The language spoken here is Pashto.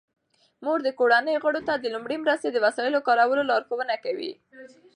مور د کورنۍ غړو ته د لومړنۍ مرستې د وسایلو کارولو لارښوونه کوي.